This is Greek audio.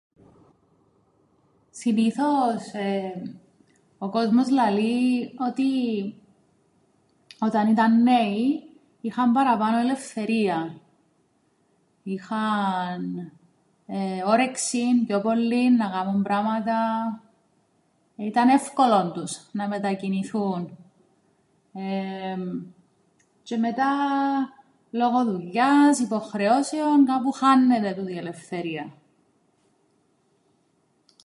Συνήθως ο κόσμος λαλεί ότι όταν ήταν νέοι είχαν παραπάνω ελευθερίαν, είχαν όρεξην πιο πολλήν να κάμουν πράματα, ήταν ε΄υκολον τους να μετακινηθούν τζ̆αι μετά λόγω δουλειάς, υποχρεώσεων, κάπου χάννεται τούτη η ελευθερία.